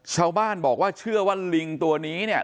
ชาวบ้านบอกว่าเชื่อว่าลิงตัวนี้เนี่ย